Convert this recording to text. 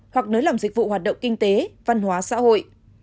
hoặc nới lỏng dịch vụ hoạt động kinh tế văn hóa xã hội